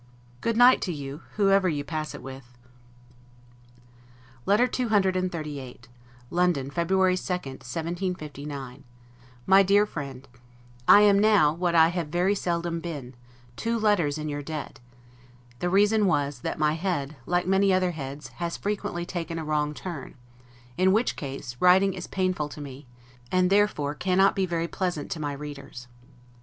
Good night to you, whoever you pass it with. LETTER CCXXXVIII LONDON, February 2, 1759 MY DEAR FRIEND: I am now (what I have very seldom been) two letters in your debt: the reason was, that my head, like many other heads, has frequently taken a wrong turn; in which case, writing is painful to me, and therefore cannot be very pleasant to my readers.